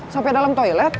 sampai dalam toilet